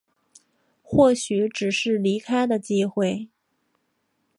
或许只是离开的机会